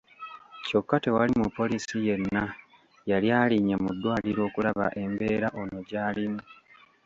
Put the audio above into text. Kyokka tewali mupoliisi yenna yali alinnye mu ddwaliro okulaba embeera ono gy'alimu.